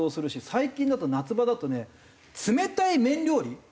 最近だと夏場だとね冷たい麺料理。